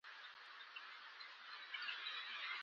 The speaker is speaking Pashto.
داسي وکه چې نه سيخ وسوځي نه کباب.